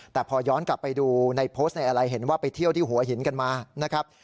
แต่พอย้อนกลับไปดูในโพสต์ในอะไรเห็นว่าไปเที่ยวที่หัวหินกันมานะครับ